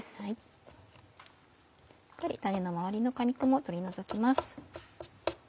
種の周りの果肉も取り除きます。